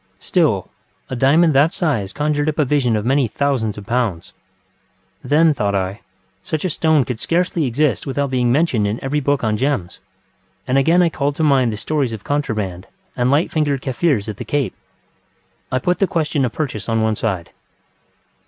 Still, a diamond that size conjured up a vision of many thousands of pounds. Then, thought I, such a stone could scarcely exist without being mentioned in every book on gems, and again I called to mind the stories of contraband and light fingered Kaffirs at the Cape. I put the question of purchase on one side.